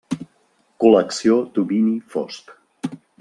Col·lecció Domini Fosc.